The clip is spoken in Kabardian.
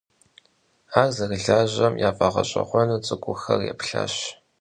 Ar zerılajem yaf'eğeş'eğuenu ts'ık'uxer yêplhaş.